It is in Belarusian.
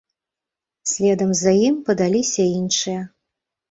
Следам за ім падаліся іншыя.